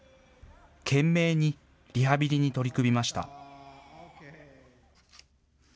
懸命にリハビリに取り組みました。